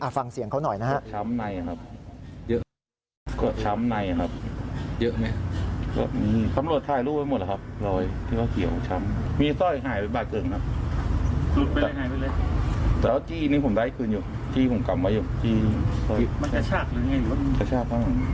ฟังเสียงเขาหน่อยนะฮะ